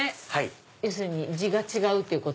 要するに地が違うっていうこと。